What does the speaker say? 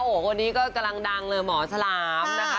โอ้โหคนนี้ก็กำลังดังเลยหมอฉลามนะคะ